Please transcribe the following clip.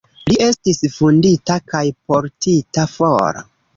Li estis vundita kaj portita for.